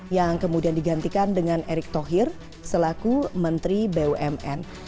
yang kemudian digantikan dengan erick thohir selaku menteri bumn